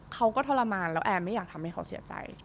ทรมานแล้วแอนไม่อยากทำให้เขาเสียใจ